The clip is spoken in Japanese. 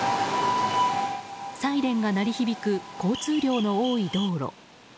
サイレンが鳴り響く交通量の多い道路。